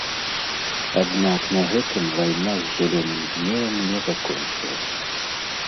Аднак на гэтым вайна з зялёным змеем не закончылася.